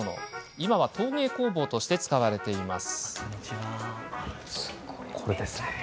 今は、陶芸工房として使われています。